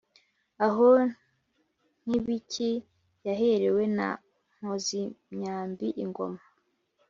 aho nkibiki yaherewe na nkozimyambi ingoma,